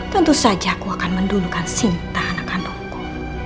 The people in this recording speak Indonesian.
tentu saja aku akan mendulukan cinta anak kandungku